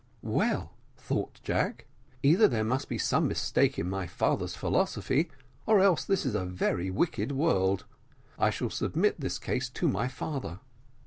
"Well," thought Jack, "either here must be some mistake in my father's philosophy, or else this is a very wicked world. I shall submit this case to my father."